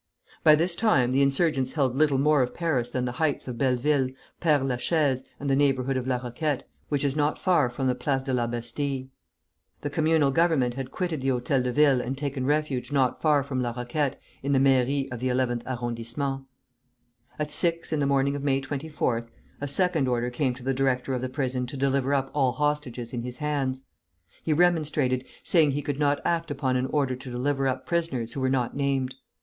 By this time the insurgents held little more of Paris than the heights of Belleville, Père la Chaise, and the neighborhood of La Roquette, which is not far from the Place de la Bastille. The Communal Government had quitted the Hôtel de Ville and taken refuge not far from La Roquette, in the Mairie of the Eleventh Arrondissement. At six in the morning of May 24th, a second order came to the director of the prison to deliver up all hostages in his hands. He remonstrated, saying he could not act upon an order to deliver up prisoners who were not named.